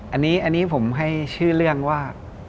อันนี้ผมให้ชื่อเรื่องว่า